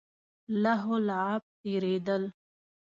لهو لعب تېرېدل.